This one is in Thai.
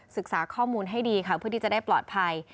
ศึกษาข้อมูลให้ดีค่ะเพื่อที่จะได้ปลอดภัย